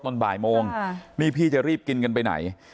นี่พี่จะรีบกินกันไปไหน